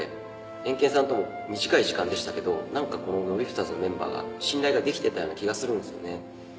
エンケンさんとも短い時間でしたけど何かこのドリフターズのメンバーが信頼ができてたような気がするんすよね。